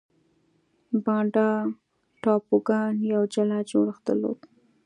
بانډا ټاپوګان یو جلا جوړښت درلود.